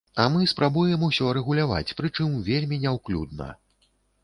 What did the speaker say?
А мы спрабуем усё рэгуляваць, прычым вельмі няўклюдна.